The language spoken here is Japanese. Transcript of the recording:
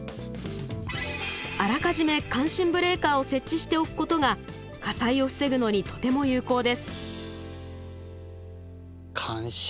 あらかじめ感震ブレーカーを設置しておくことが火災を防ぐのにとても有効です。